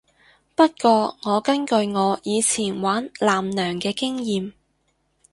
不過我根據我以前玩艦娘嘅經驗